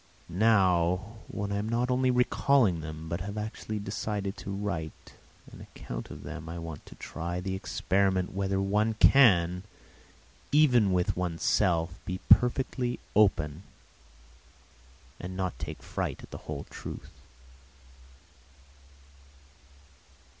Now, when I am not only recalling them, but have actually decided to write an account of them, I want to try the experiment whether one can, even with oneself, be perfectly open and not take fright at the whole truth.